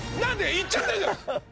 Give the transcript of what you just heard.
言っちゃってるじゃん。